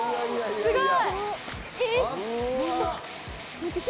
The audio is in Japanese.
すごい！